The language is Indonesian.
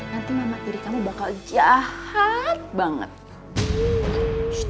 nanti mama tiri kamu bakal jahat banget